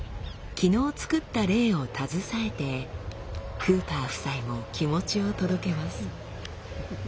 昨日作ったレイを携えてクーパー夫妻も気持ちを届けます。